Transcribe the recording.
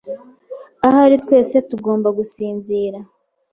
Ahari twese tugomba gusinzira.